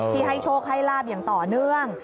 ให้โชคให้ลาบอย่างต่อเนื่อง